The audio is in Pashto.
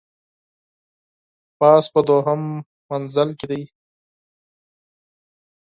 پاس په دوهم منزل کي دی .